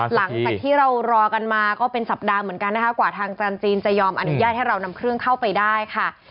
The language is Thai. หลังจากที่เรารอกันมาก็เป็นสัปดาห์เหมือนกันนะคะกว่าทางจันทร์จีนจะยอมอนุญาตให้เรานำเครื่องเข้าไปได้ค่ะ